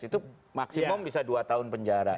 itu maksimum bisa dua tahun penjara